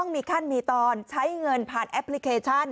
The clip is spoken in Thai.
มีขั้นมีตอนใช้เงินผ่านแอปพลิเคชัน